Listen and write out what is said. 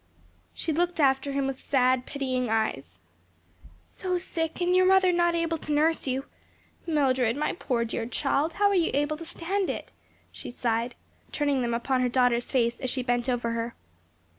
She looked after him with sad, pitying eyes, "So sick, and your mother not able to nurse you! Mildred, my poor dear child, how are you to stand it?" she sighed, turning them upon her daughter's face as she bent over her.